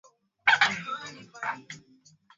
Ripoti hii imeandaliwa na Patrick Nduwimana